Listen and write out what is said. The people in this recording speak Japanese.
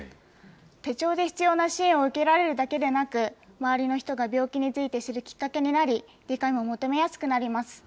手帳で必要な支援を受けられるだけでなく、周りの人が病気について知るきっかけになり、理解も求めやすくなります。